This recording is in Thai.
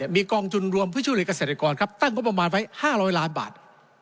มีกองทุนรวมเพื่อช่วยเหลือกเกษตรกรครับตั้งงบประมาณไว้๕๐๐ล้านบาท